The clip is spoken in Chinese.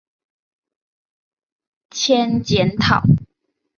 兼检讨。